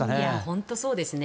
本当にそうですね。